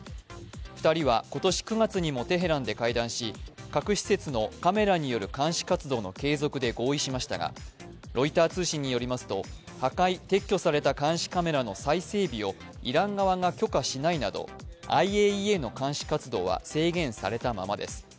２人は今年９月にもテヘランで会談し、核施設のカメラによる監視活動の継続で合意しましたがロイター通信によりますと、破壊、撤去された監視カメラの再整備をイラン側が許可しないなどＩＡＥＡの監視活動は制限されたままです。